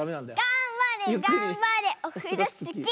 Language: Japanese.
がんばれがんばれオフロスキー！